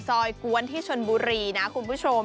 กวนที่ชนบุรีนะคุณผู้ชม